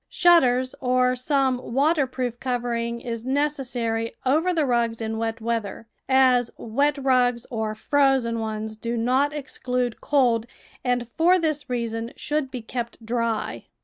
Shut ters or some waterproof covering is necessary over the rugs in wet weather, as wet rugs or frozen ones do not exclude cold, and for this reason should be kept dry.